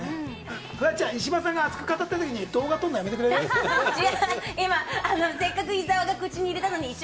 フワちゃん石破さんが熱く語ってるときに動画撮るのやめてもらえる。